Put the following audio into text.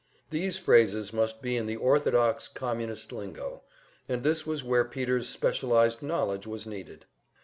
These phrases must be in the orthodox Communist lingo, and this was where Peter's specialized knowledge was needed.